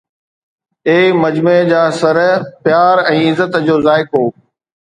اي مجمع جا سر! پيار ۽ عزت جو ذائقو؟